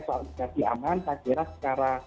s o s i aman tak jelas secara